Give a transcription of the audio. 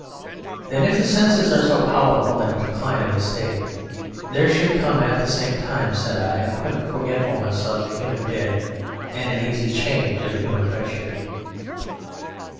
"Then if the senses are so powerful in a decline of the State there should come at the same time," said I, "a quick forgetfulness of the human dead and an easy change of human friendship?"